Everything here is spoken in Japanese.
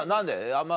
あんま